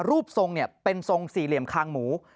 รูปทรงเป็นทรงสี่เหลี่ยมคางหมู